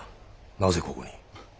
なぜここに？